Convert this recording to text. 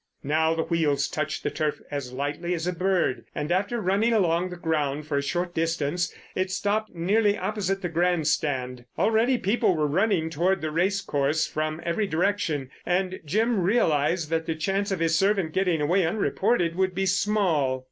Now the wheels touched the turf as lightly as a bird, and after running along the ground for a short distance, it stopped nearly opposite the grand stand. Already people were running towards the racecourse from every direction, and Jim realised that the chance of his servant getting away unreported would be small.